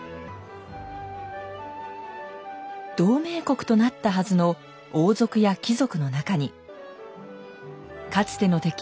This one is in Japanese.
同盟国となったはずの王族や貴族の中にかつての敵